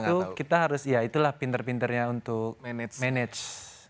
itu kita harus ya itulah pinter pinternya untuk manage